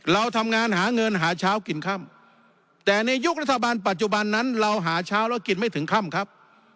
เราทำงานหาเงินหาเช้ากินค่ำแต่ในยุครัฐบาลปัจจุบันนั้นเราหาเช้าแล้วกินไม่ถึงค่ำครับ